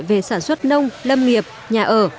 về sản xuất nông lâm nghiệp nhà ở